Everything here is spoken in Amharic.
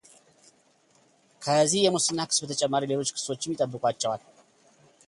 ከዚህ የሙስና ክስ በተጨማሪ ሌሎች ክሶችም ይጠብቋቸዋል።